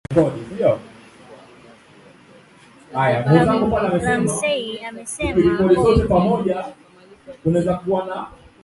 Ramsay's work with Developing Artists has included productions in Zimbabwe, Mexico and Cape Verde.